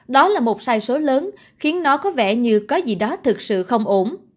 đó là một sai số lớn khiến nó có vẻ như có gì đó thực sự không ổn